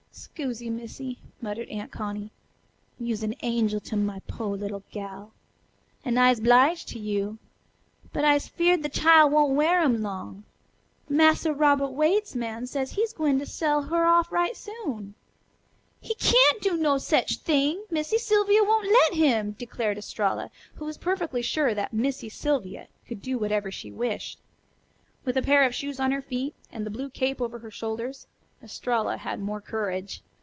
"'Scusie, Missy," muttered Aunt Connie; "you'se an angel to my po' little gal. An' I'se 'bliged to you. But I'se feared the chile won't wear 'em long. Massa Robert Waite's man sez he's gwine sell her off right soon." "He cyan't do no sech thing. Missy Sylvia won't let him," declared Estralla, who was perfectly sure that "Missy Sylvia" could do whatever she wished. With a pair of shoes on her feet and the blue cape over her shoulders Estralla had more courage.